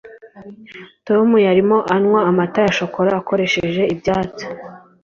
tom yarimo anywa amata ya shokora akoresheje ibyatsi